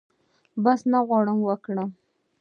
بحث نه غواړم وکړم.